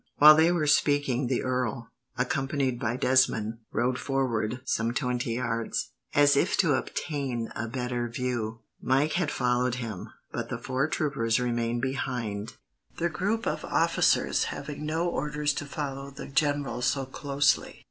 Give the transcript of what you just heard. While they were speaking, the earl, accompanied by Desmond, rode forward some twenty yards, as if to obtain a better view. Mike had followed him, but the four troopers remained behind the group of officers, having no orders to follow the general so closely.